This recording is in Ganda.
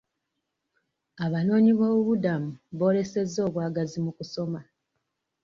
Abanoonyi b'obubuddamu boolesezza obwagazi mu kusoma.